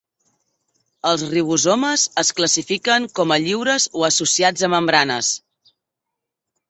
Els ribosomes es classifiquen com a lliures o associats a membranes.